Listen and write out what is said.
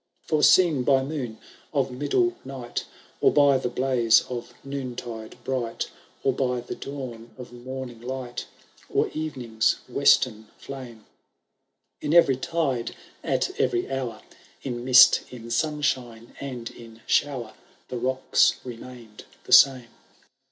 For, seen by moon of middle night. Or by the blaze of noontide bright. Or by the dawn of morning light. Or eyening^s western flame. In every tide, at eyery hour. In mist, in sunshine, and in shower, The rocks remained the same.